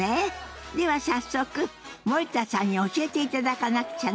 では早速森田さんに教えていただかなくちゃね。